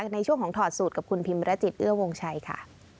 ในช่วงของถอดสูตรกับคุณพิมรจิตเอื้อวงชัยค่ะ